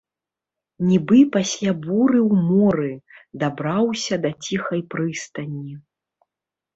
Нібы пасля буры ў моры дабраўся да ціхай прыстані.